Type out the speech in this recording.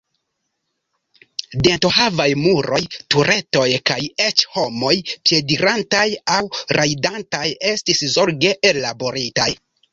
Dentohavaj muroj, turetoj kaj eĉ homoj piedirantaj aŭ rajdantaj estis zorge ellaboritaj.